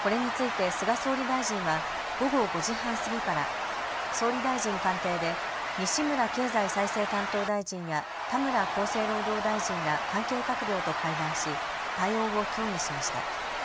これについて菅総理大臣は午後５時半過ぎから総理大臣官邸で西村経済再生担当大臣や田村厚生労働大臣ら関係閣僚と会談し対応を協議しました。